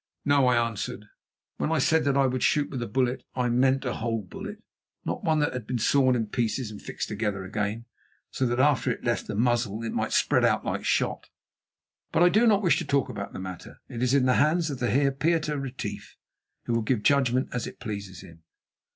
"No," I answered, "when I said that I would shoot with a bullet I meant a whole bullet, not one that had been sawn in pieces and fixed together again, so that after it left the muzzle it might spread out like shot. But I do not wish to talk about the matter. It is in the hands of the Heer Pieter Retief, who will give judgment as it pleases him."